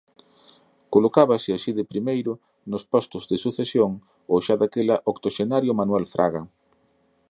Colocábase así de primeiro nos postos de sucesión ó xa daquela octoxenario Manuel Fraga.